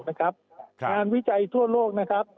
งานวิจัยทั่วโลก